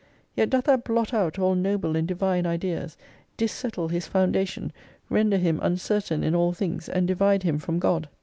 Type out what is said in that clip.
Yet doth that blot out all noble and divine ideas, dissettle his foundation, render him uncertain in all things, and divide him from God.